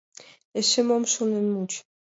— Эше мом шонен муыч?!